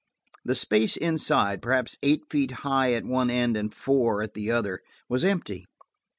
The space inside, perhaps eight feet high at one end and four at the other, was empty.